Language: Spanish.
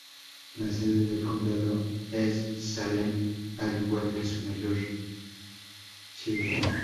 La sede del condado es Salem, al igual que su mayor ciudad.